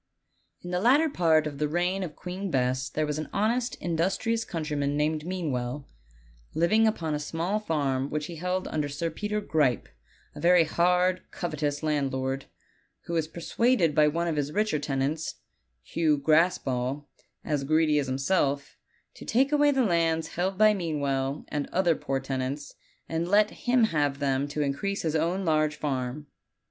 Isr the latter part of the reign of Queen Bess there was an honest, industrious countryman named Meanwell, liv ing upon a small farm which he held under Sir Peter Gripe, a very hard, covetous landlord, who was per suaded by one of his richer tenants, Hugh Graspall, as greedy as himself, to take away the lands held by Mean well and other poor tenants, and let him have them to increase his own large farm.